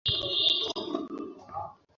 তুমি বুড়োটাকে ছেড়ে দাওনি?